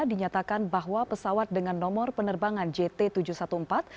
dinyatakan bahwa pesawat dengan nomor penerbangan jt tujuh ratus empat belas